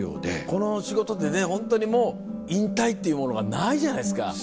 この仕事ってねホントにもう引退っていうものがないじゃないすか。